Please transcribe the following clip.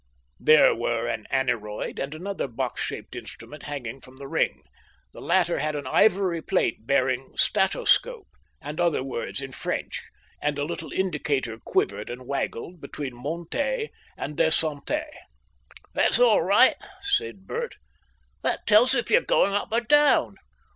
There were an aneroid and another box shaped instrument hanging from the ring. The latter had an ivory plate bearing "statoscope" and other words in French, and a little indicator quivered and waggled, between Montee and Descente. "That's all right," said Bert. "That tells if you're going up or down."